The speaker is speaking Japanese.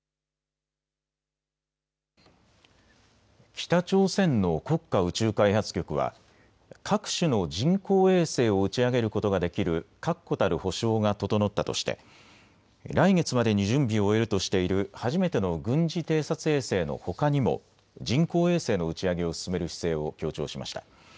北朝鮮の国家宇宙開発局は各種の人工衛星を打ち上げることができる確固たる保証が整ったとして来月までに準備を終えるとしている初めての軍事偵察衛星のほかにも人工衛星の打ち上げを進める姿勢を強調しました。